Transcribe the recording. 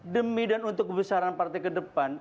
demi dan untuk kebesaran partai kedepan